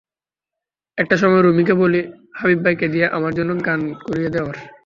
একটা সময় রুমিকে বলি, হাবিব ভাইকে দিয়ে আমার জন্য গান করিয়ে দেওয়ার।